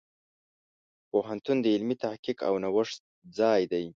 پوهنتون د علمي تحقیق او نوښت ځای دی.